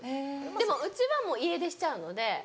でもうちはもう家出しちゃうので。